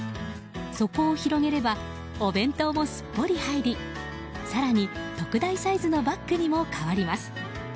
底を広げればお弁当もすっぽり入り更に特大サイズのバッグにも変わります。